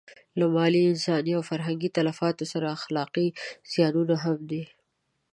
له مالي، انساني او فرهنګي تلفاتو سره اخلاقي زیانونه هم دي.